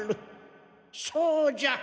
そうじゃ！